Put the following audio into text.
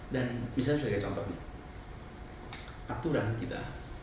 dan misalnya sebagai contohnya aturan kita